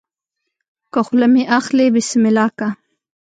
که خوله مې اخلې بسم الله که